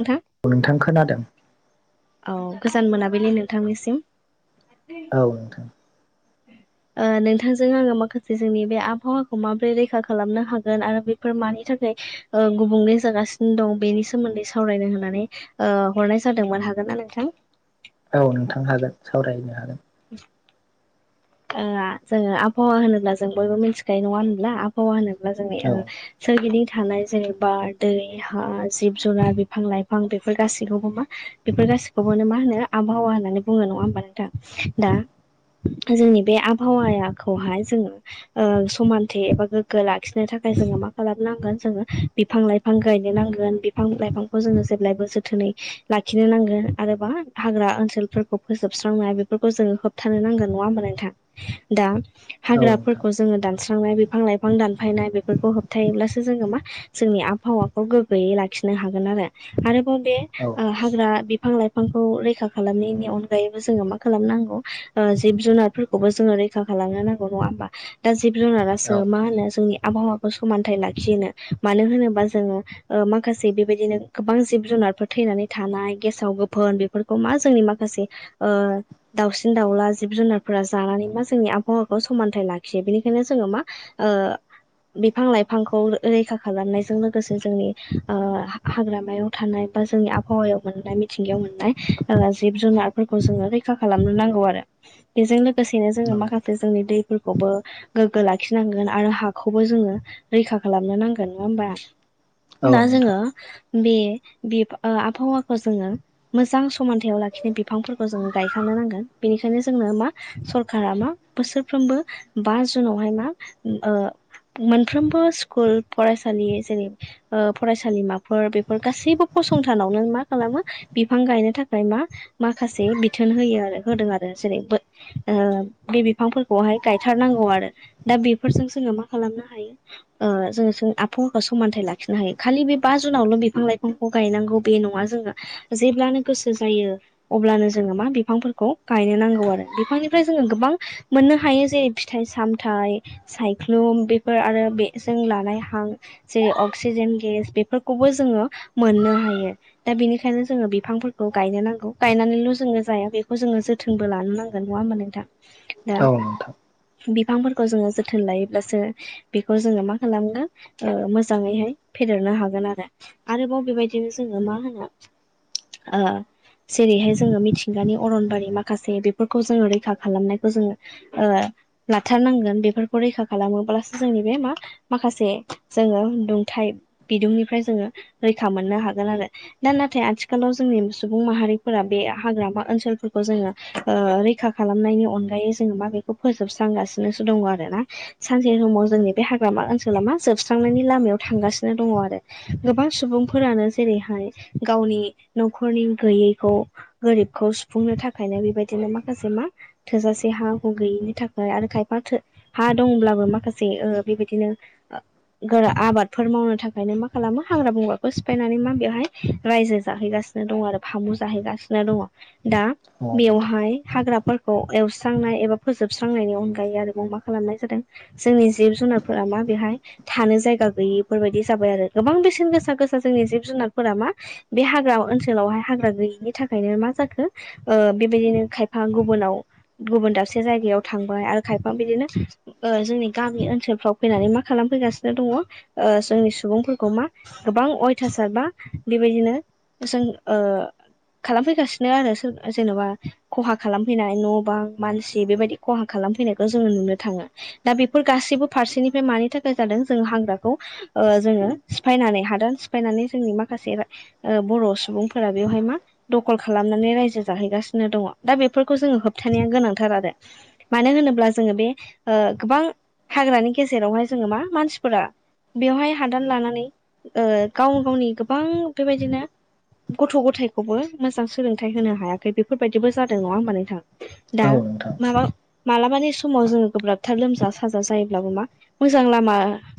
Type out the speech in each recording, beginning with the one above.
नोंथां औ नोंथां खोनादों। औ गोजान मोनाबिलि नोंथांनिसिम औ नोंथां। ओ नोंथांजों आङो माखासे जोंनि बे आबहावाखौ माबोरै रैखा खालामनो हागोन आरो बेफोर मानि थाखाय ओ गुबुंले जागासिनो दं बेनि सोमोन्दै सावरायनो होननानै ओ हरनाय जादोंमोन हागोन ना नोंथां औ नोंथां हागोन सावरायनो हागोन [unintelligible] ओ जोङो आबहावा होनोब्ला जों बयबो मिथिखायो नङा होनब्ला आबहावा होनो ब्ला जोंनि औ सोरगिदिं थानाय जेनेबा दै हा जिब जुनार बिफां लाइफां बेफोर गासैखौबो मा बेफोर गासिखौबोनो मा होनो आबहावा होननानै बुङो नङा होमबा नोंथां दा [inaudible] जोंनि बे आबहावाखौहाय जोङो समानथे एबा गोग्गो लाखिनो थाखाय जोङो मा मा खालामनांगोन जोङो बिफां लाइफां गायनो नांगोन बिफां लाइफांखौ जोङो जेब्लायबो जोथोनै लाखिनो नांगोन आरो मा हाग्रा ओनसोलफोरखौ फोजोबस्रांनो हा बेफोरखौ जोङो होबथानो नांगोन नङा होमबा नोंथां दा औ नोंथां हाग्राफोरखौ जोङो दान स्रांनाय बिफां लाइफां दानफायनाय बेफोरखौ होबथायोब्लासो जोङो मा जोंनि आबहावखौ गोगोयै लाखि नो हागोन आरो आरोबाव बे औ नोंथां हाग्रा बिफां लाइ फांखौ रैखा खालामनायनि अनगायैबो जोङो मा खालामनांगौ जिब जुनार फोरखौबो जोङो रैखा खालामनो नांगौ नङा होमबा दा जिब औ जुनारासो मा नोंथां होनो जोंनि आबहावाखौ समानथाइ लाखिहोनो मानो होनोबा जोङो माखासे बेबायदिनो गोबां जिब जुनार फोर थैनानै थानाय गेसाव गोफोन बेफोरखौ मा जोंनि माखासे ओ दाउसिन दाउला जिब जुनारफोरा जानानै मा जोंनि आबहावाखौ समानथाइ लाखियो बेनिखायनो जोङो मा ओ बिफां लाइफांखौ रैखा खालामनायजों लोगोसे जोंनि ओ हाग्रामायाव थानाय बा जोंनि आबहावायाव मोननाय मिथिंगायाव मोननाय जिब जुनारफोरखौ जोङो रैखा खालामनो नांगौ आरो बेजों लोगोसेनो जोङो माखासे जोंनि दैफोरखौबो गोग्गो लाखि नांगोन आरो हाखौबो जोङो रैखा खालामनो नांगोन नङा होमबा। औ नोंथां औ दा नोंथां जोङो बि बि आ आबहावाखौ जोङो मोजां समानथायाव लाखिनाय बिफांफोरखौ जोङो गायखा नांगोन बेनिखायनो जो जोंनो मा सरकारा मा बोसोरफ्रोमबो बा जुनावहाय मा ओ मोनफ्रोमबो स्कुल फरायसालि जेरै ओ फरायसालिमाफोर बेफोर गासैबो फसं थानावनो मा खालामो बिफां गायनो थाखाय मा माखासे बिथोन होयो आरो होदों आरो जेरै बै ओनसोलाव बे बिफांफोरखौहाय गायथारनांगौ आरो दा बेफोरजों जोङो मा खालामनो हायो ओ जों आबहावाखौ समानथाइ लाखिनो हायो खालि बे बा जुनावल' बिफां लाइफांखौ गायनां गौ बे नङा जों जेब्लानो गोसो जायो अब्लानो जोङो मा बिफांफोरखौ गाय नो नांगौ आरो बिफांनिफ्राय जोङो गोबां मोननो हायो जेरै फिथाइ सामथाइ सायख्लुम बेफोर आरो बे जों लानाय हां जेरै अक्सिजेन गेस बेफोरखौबो जोङो मोन नो हायो दा बेनिखायनो जोङो बिफांफोरखौ गायनो नांगौ गायनानैल' जोङो जाया बेखौ जोङो जो थोनबो लानो नांगोन नङा होमबा नोंथां। दा औ नोंथां। बिफांफोरखौ जोङो जोथोन लायोब्लासो बेखौ जोङो मा खालामनो मोजाङैहाय फेदेर नो हागोन आरो आरोबाव बेबायदिनो जोङो मा होनो ओ जेरैहाय जोङो मिथिंगानि अरनबारि मा खासे बेफोरखौ जोङो रैखा खालामनायखौ जोङो ओ लाथारनांगोन बेफोरखौ रैखा खालामो ब्लासो जोंनि बे मा माखासे जोङो दुंथाइ बिदुंनिफ्राय जोङो रैखा मोनो नो हागोन आरो दा नाथाय आथिखालाव जोंनि सुबुं माहारिफोरा बे हाग्रामा ओनसोलफोरखौ जोङो रैखा खालामनायनि अनगायै जों मा बेखौ फोजोबस्रांगासिनोसो दङ आरोना सानसे समाव जों बे हाग्रामा ओनसोला मा जोबस्रांनायनि लामायाव थांगासिनो दङ आरो गोबां सुबुंफोरा नो जेरैहाय गावनि न'खरनि गैयैखौ गोरिबखौ सुफुंनो था खायनो बेबायदिनो माखासे मा थोजासे हा हु गैयिनि थाखाय आरो खायफा थो हा दंब्ला बो माखासे ओ बेबायदिनो गोरा आबादफोर मावनो थाखायनो मा खालामो हाग्रा बंग्राखौ सिफायनानै मा बेवहाय रायजो जाहैगासि सिनो दं आरो फामु जाहैगासिनो दङ दा औ नोंथां औ बेवहाय हाग्राफोर खौ एवस्रांनाय एबा फोजोबस्रांनायनि अनगायै आरोबाव मा खालामनाय जादों जोंनि जिब जुनारफोरा मा बेहाय थानो जायगा गैयिफोरबायदि जाबाय आरो गोबां बेसेन गोसा गोसा जोंनि जिब जुनारफोरा मा बे हाग्रा ओनसोलावहाय हाग्रा गैयैनि थाखायनो मा जाखो ओ बेबायदिनो खायफा गुबुनाव गुबुन दाबसे जायगायाव थांबाय आरो खायफा बिदिनो ओ जोंनि गामि ओनसोलफ्राव फैनानै मा खालामो फैगासिनो दङ ओ जोंनि सुबुंफोरखौ मा गोबां अयथासार बा बेबायदिनो जों ओ खालामफैगासिनो आरो जेनबा खहा खालामफैनाय न बां मानसि बेबायदि खहा खालामफैनायखौ जोंङो नुनो थांङो। दा बेफोर गासैबो फारसेनिफ्राय मानि थाखाय जादों जोंङो हांग्राखौ ओ जोंङो सिफायनानै हा सिफायनानै जोंनि माखासे ओ बर सुबुंफोरा बेवहाय मा दखल खालामनानै रायजो जाहैगासिनो दङ दा बेफोरखौ जोंङो होबथानाया गोनांथार आरो मानो होनोब्ला जोंङो बे गोबां हाग्रानि गेजेरावहाय जोंङो मा मानसिफोरा बेवहाय हादान लानानै ओ गाव गावनि गोबां बेबायदिनो गथ गथायखौबो मोजां सोलोंथाइ होनो हायाखै। बेफोरबायदिबो जादों नङा होनबा नोंथां दा माबा मालाबानि समाव जोंङो गोब्राबथार लोमजा साजा जायोब्लाबो मा मोजां लामा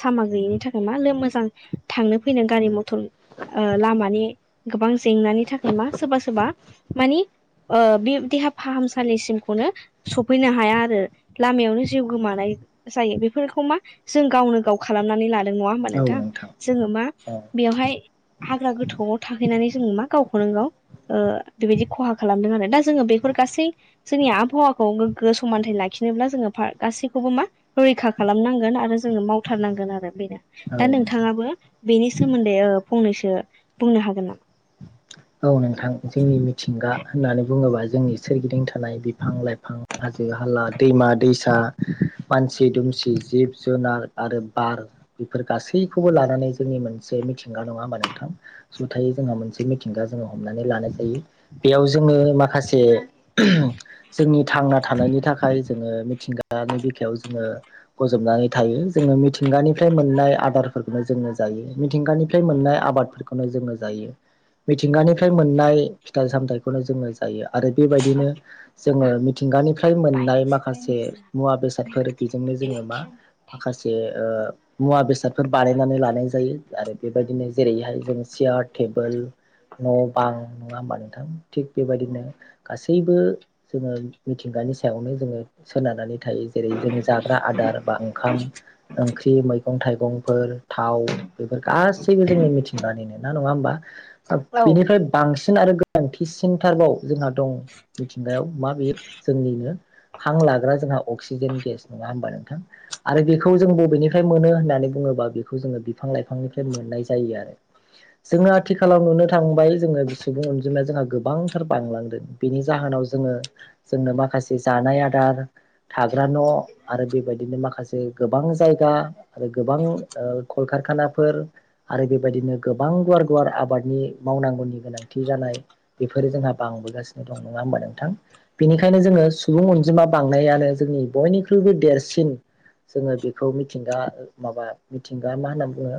सामा गैयिनि थाख मा लों मोजां थांनो फैनो गारि मथर ओ लामानि गोबां जेंनानि थाखाय मा सोरबा सोरबा मानि ओ बे देहा फाहामसालिसिमखौनो सफैनो हाया आरो लामायावनो जिउ गोमा जायो बेफोरखौ मा जों गावनो गाव खालामनानै ला नङा होनबा औ नोंथां जोङो मा बेयावहाय हाग्रा गोथौआव थाहैनानै जोंङो मा गावखौनो गाव ओ बेबायदि खहा खालामदों आरो दा जोंङो बेफोर गासै जोंनि आबहावाखौ गोग्गो समानथाइ लाखिनोब्ला जोंङो गासैखौ मा रैखा खालामनांगोन आरो जों मावथारनांगोन आरो बेनो दा नोंथां नोंथाङाबो बेनि सोमोन्दै फंनैसो बुंनो हागोन नामा? औ नोंथां जोंनि मिथिंगा होननानै बुङोबा जोंनि सोरगिदिं थानाय फां लायफां हाजो हाला दैमा दैसा मानसि दुमसि जिब जुनार आरो बार बेफोर गासै खौबो लानानै जोंनि मोनसे मिथिंगा नङा होनबा नोंथां जथायै जोंहा मोनसे मि जोंङो हमनानै लानाय जायो बेयाव जोंङो माखासे जोंनि थांना थानायनि थाखाय जोंङो मिथिंगा बिखायाव जोंङो गजबनानै थायो जोंङो मिथिंगानि निफ्राय मोननाय आदारफोरखौनो जोंङो जायो। मिथिंगानिफ्राय मोननाय आबादफोरखौनो जोंङो जायो। मिथिंगानिफ्राय मोननाय फिथाइ सामथायाइखौनो जोंङो जायो। आरो बेबायदिनो जोंङो मिथिंगानिफ्राय औ मोननाय माखासे मुवा बेसादफोर बेजों जोंङो मा माखासे ओ मुवा बेसादफोर बानायनानै लानाय जायो आरो बेबायदिनो जेरैहाय जों चियार टेबोल न बां नङा होमबा नोंथां थिग बेबायदिनो गासैबो जोंङो मिथिंगानि नि सायावनो जोंङो सोनारनानै थायो जेरै जोंङो जाग्रा आदार बा ओंखाम ओंख्रि मैगं थाइगं मैगंफोर थाव बेफोर गासैबो जोंनि मिथिंगानिनो ना नङा होमबा दा बिनिफ्राय बांसिन आरो गोनांथिसिनथारबाव जोंहा दं मिथिंगायाव मा बे जोंनिनो हां लाग्रा जोंहा अक्सिजेन गेस नङा होमबा नोंथां आरो बेखौ जों बबेनिफ्राय मोनो होननानै बुङ बेखौ जोंङो बिफां लाइफांनिफ्राय मोननाय जायो आरो जोंनो आथिखाल खालाव नुनो थांबाय जोंङो सुबुं अनजिमाया जोंहा गोबांथार बांलांदों बेनि जाहोनाव जोंङो जोंनो माखासे जानाय आदार थाग्रा न आरो बेबायदिनो माखासे गोबां जायगा गोबां कलखारखानाफोर आरो बेबायदिनो गोबां गुवार गुवार आब आबादनि मावनांगौनि गोनांथि जानाय बेफोरो जोंहा बांबोगासिनो दं। नङा होमबा नोंथां? बेनिखायनो जोंङो सुबुं अनजिमा बांनायानो जोंनि बयनिख्रुइबो देरसिन जोंङो बेखौ मिथिंगा माबा मिथिंगा मा होनना बुङो?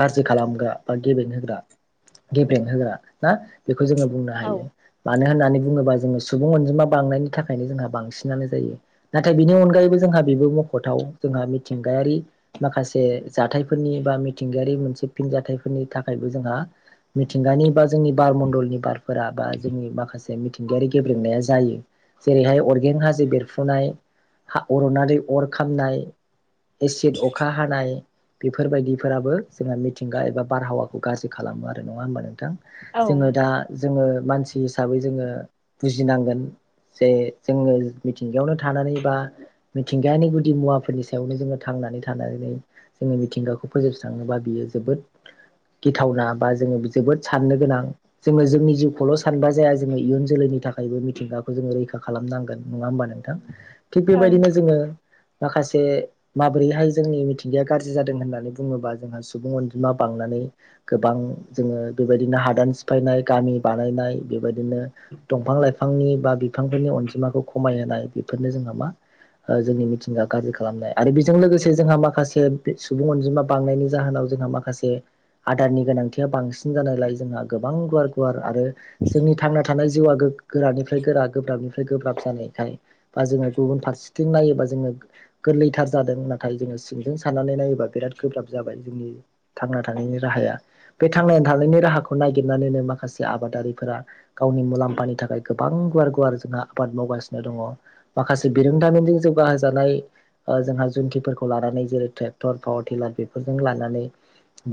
गाज्रि खालामग्रा बा गेबें होग्रा गेबें होग्रा ना बेखौ जोङो बुंनो औ हायो। मानो होननानै बुङोबा जोंङो सुबुं अनजिमा बांनायनि थाखायनो जोंहा बांसिनानो जायो नाथाय बिनि अनगायैबो जोंहा बेबो मखथाव जोंहा मिथिंगायारि माखासे जाथायफोरनि बा मिथिंगायारि मोनसे फिन जाथाय फोरनि थाखायबो जोंहा मिथिंगानि बा जोंनि बारमण्डलनि बारफोरा बा जोंनि माखासे मिथिंगायारि गेब्रेंनाया जायो। जेरैहाय अरगें हाजो बेरफुनाय अरनानै अर खामनाय एसिड अखा हानाय बेफोरबायदिफोराबो जोंना मिथिंगा एबा बारहावाखौ गाजै खालामो आरो नङा होमबा नोंथां औ जोङो दा जोङो मानसि हिसाबै जोङो बुजिनांगोन जे जोङो मिथिंगायावनो थानानै बा मिथिंगायानि गुदि मुवाफोरनि सायावनो जोङो थां जोंनि मिथिंगाखौ फोजोबस्राङोबा बियो जोबोद फथावना बा जोङो जोबोद साननो गोनां जोङो जोंनि जिउखौल' सानबा जाया जोङो इयुन जोलैनि थाखायबो मिथिंगाखौ जोङो रैखा खालामनांगोन नङा होमबा नोंथां थिग औ बेबायदिनो जोङो माखासे माबोरैहाय जोंनि मिथिंगाया गाज्रि जादों होननानै बुङोबा जोंहा सुबुं अनजिमा बांनानै गोबां जोङो बेबायदिनो हादान सिफायनाय गामि बानायनाय बेबायदिनो दंफां बिफां लाइफांनि बा बिफांफोरनि अनजिमाखौ खमायहाय बेफोरनो जोंहा मा जोंनि मिथिंगा गाज्रि खालामनाय आरो बेजों लोगोसे जोंहा माखासे सुबुं अनजिमा बांनायनि जाहोनाव जोंना माखासे आदारनि गोनांथिया बांसिन जानायलाय जोंहा गोबां गुवार गुवार आरो जोंनि थांना थानाय जिउआ गो गोरनिफ्राय गोरा गोब्राबनिफ्राय गोब्राब जानायखाय बा जोङो गुबुन फारसेथिं नायोबा जोङो गोरलैथार जादों नाथाय जोङो सिंजों साननानै नायोबा बिराद गोब्राब जाबाय जोंनि थांना थानायनि राहाया बे थांनानै थानायनि राहाखौ नागिरनानैनो माखासे आबादारिफोरा गावनि मुलाम्फानि थाखाय गोबां गुवार गुवार जोंहा आबाद मावगासिनो दङ माखासे बिरोंदामजों जौगाहो जानाय जोंहा जुन्थिफोरखौ लानानै जेरै ट्रेक्टर पावार टिलार बेफोरजों लानानै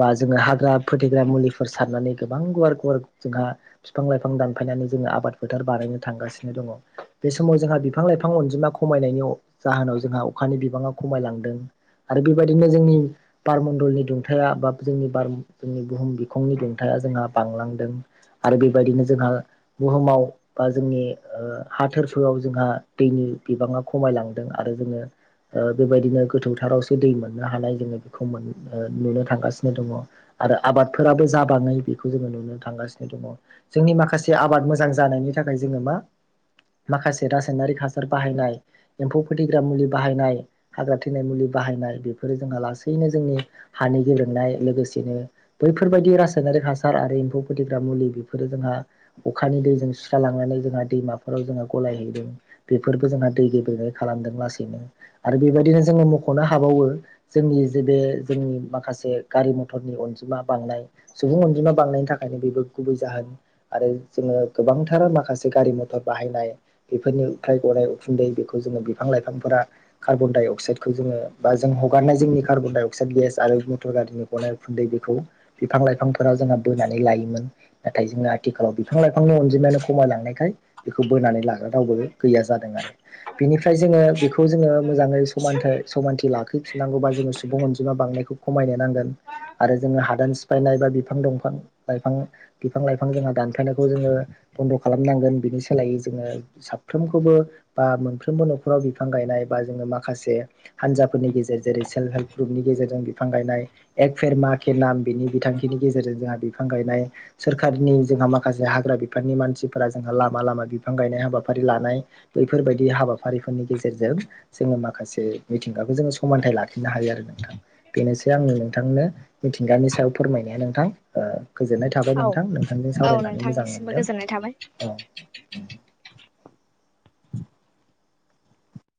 बा जोङो हाग्रा फोथैग्रा मुलिफोर सारनानै गोबां गुवार गुवार जोंहा बिफां लाइफां दानफायनानै जोङो आबाद फोथार बानायनो थांगासिनो दङ बे समाव जोंहा बिफां लाइफां अनजिमा खमायनायनि जाहोनाव जोंहा अखानि बिबाङा खमायलांदों आरो बेबायदिनो जोंनि बारमण्डलनि दुंथाया बा जोंनि बार जोंनि बुहुम बिखंनि दुंथाया जोंहा बांलांदों आरो बेबायदिनो जोंहा बुहुमाव बा जोंनि हाथोरफोराव जोंहा दैनि बिबाङा खमायलांदों आरो जोङो बेबायदिनो गोथौथारावसो दै मोननो हानाय जोङो बेखौ मोन नुनो थांगासिनो द आरो आबादफोराबो ज बाङै बेखौ जोङो नुनो थांगासिनो दङ जोंनि माखासे आबाद मोजां जानायनि थाखाय जोङो मा माखासे रासायनारिक हासार बाहायनाय एम्फौ फोथैग्रा मुलि बाहायनाय हाग्रा थैनाय मुलि बाहायनाय बेफोरो जोंहा लासैनो जोंनि हानि गेब्रेनाय लोगोसेनो बैफोरबायदि रासायनारिक हासार आरो एम्फौ फोथग्रा मुलि बेफोरो जोंहा अखानि दै सुस्र लांनानै जोंहा दैमाफोराव जों गलायहैदों बेफोरबो जोंहा दै गेबेनाय खालामदों लासै आरो बेबायदिनो जोङो मख'नो हाबावो जोंनि जे बे जोंनि माखासे गारि मथरनि अनजिमा बांनाय सुबुं अनजिमा बांनायनि थाखायनो बेबो गुबै जाहोन आरो जों गोबांथार माखासे गारि मथर बाहायनाय बेफोरनिफ्राय गनाय उखुन्दै बे जो बिफां लाइफां फोर कार्बन डाइ अक्साइ खौ जोङो बा जों हगारनाय जोंनि कार्बन डाइ अक्साइद गेस आरो मटर गारिनि गनो खुन्दै बेखौ बिफां लाइफांफोराव जोंहा बोनानै लायोमोन नाथाय जोंहा आथिखालाव बिफां लाइफांनि अनजिमायानो खमायलांनायखाय बेखौ बोनानै लाग्रा रावबो गैया जादों आरो बिनिफ्राय जोङो बेखौ जोङो मोजाङै समानथ समानथि लाखो नांगौबा जोङो सुबुं अनजिमा बांनायखौ खमायनो नांगोन आरो जोङो हादान सिफायनाय बा बिफां दंफां लाइफां बिफां लाइफां जोंहा दानफायनायखौ जोङो बन्द' खालामनांगोन बिनि सोलायै जोङो साफ्रोमखौबो बा मोनफ्रोमबो न'खराव बिफां गाय -नाय बा जोङो माखासे, हानजाफोरनि गेजेर जेरै सेल् हेल् ग्रुनि गेजेरजों बिफां गायनाय- -एक फेर मा के नाम बिनि बिथांखिनि गेजेरजों जोंहा बिफां गायनाय, सोरखारनि जोंहा माखासे हाग्रा- -बिफाननि मानसिफोरा जोंहा लामा लामा बिफां गायनाय हाबाफारि लानाय, बैफोरबायदि हाबाफारिफोरनि गेजेरजों- -जों, जोङो माखासे मिथिंगाखौ जोङो समानथाइ लाखिनो हायो आरो नोंथां बेनोसै आंनि नों- -नोंथांनो मिथिंगानि सायाव फोरमायनाया नोंथां ओ- 'गोजोननाय थाबाय नोंथां औ नोंथांजों औ सावरायनानै मोजां नोंथांनिसिमबो मोनदों। गोजोननाय थाबाय। अ